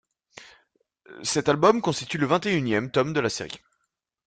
Cet album constitue le vingt-et-unième tome de la série.